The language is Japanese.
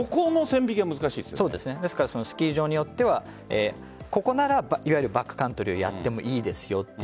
ですからスキー場によってはここならバックカントリーをやってもいいですよという。